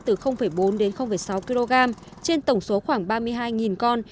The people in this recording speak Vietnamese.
từ bốn đến sáu kg trên tổng số khoảng ba mươi hai con